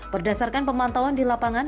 berdasarkan pemantauan di lapangan